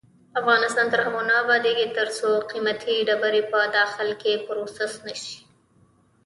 افغانستان تر هغو نه ابادیږي، ترڅو قیمتي ډبرې په داخل کې پروسس نشي.